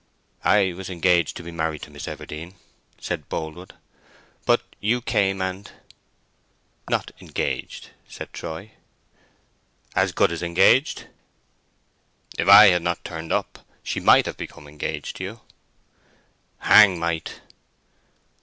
"I was engaged to be married to Miss Everdene," said Boldwood, "but you came and—" "Not engaged," said Troy. "As good as engaged." "If I had not turned up she might have become engaged to you." "Hang might!"